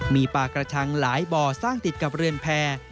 มีปลากระชังหลายบ่อสร้างติดกับเรือนแพร่